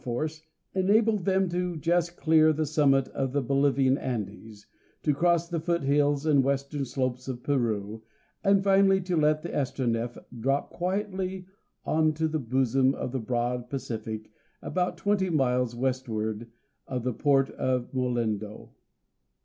Force enabled them to just clear the summits of the Bolivian Andes, to cross the foothills and western slopes of Peru, and finally to let the Astronef drop quietly on to the bosom of the broad Pacific about twenty miles westward of the Port of Mollendo.